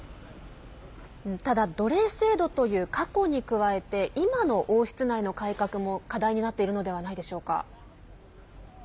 ただ、奴隷制度という過去に加えて今の王室内の改革も課題になっているのではないでしょうか。